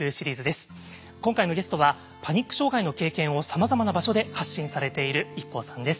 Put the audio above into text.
今回のゲストはパニック障害の経験をさまざまな場所で発信されているＩＫＫＯさんです。